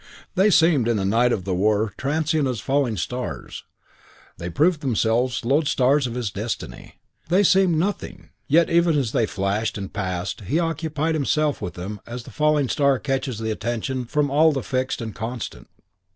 They seemed in the night of the war transient as falling stars; they proved themselves lodestars of his destiny. They seemed nothing, yet even as they flashed and passed he occupied himself with them as the falling star catches the attention from all the fixed and constant.